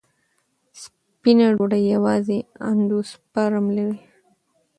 سپینه ډوډۍ یوازې اندوسپرم لري.